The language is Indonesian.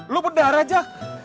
lo pedar aja